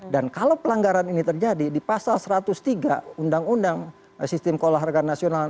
dan kalau pelanggaran ini terjadi di pasal satu ratus tiga undang undang sistem keolahragaan nasional